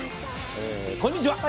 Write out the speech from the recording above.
こんにちは。